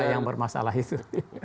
perda yang bermasalah itu